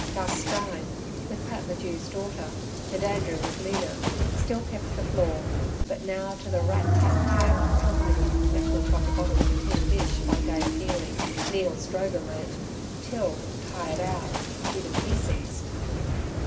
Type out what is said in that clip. Gus Stein, with Pat the Jew's daughter and Andrew with Mina, still kept the floor, but now to the rat tat tat accompaniment knuckled from the bottom of a tin dish by Dave Heely, Neale's drover mate, till, tired out, even he ceased.